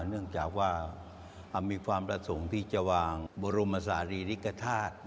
เนื่องจากว่ามีความประสงค์ที่จะวางบรมศาลีริกฐาตุ